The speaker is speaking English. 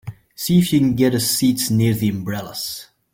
See if you can get us seats near the umbrellas.